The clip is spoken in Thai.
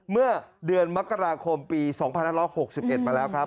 เมื่อเดือนมกราคมปี๒๕๖๑มาแล้วครับ